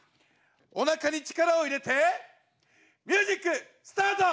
おなかに力を入れてミュージックスタート！